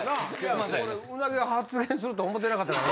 いや俺鰻が発言すると思ってなかったから。